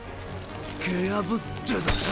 蹴破ってだよ。